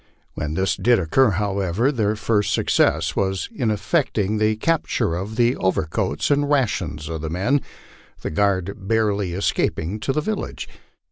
When this did occur, however, their first success was in effecting the capture of the over coats and rations of the men, the guard barely escaping to the village.